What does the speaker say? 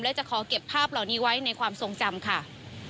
และจะขอเก็บภาพเหล่านี้ไว้ในความทรงจำค่ะ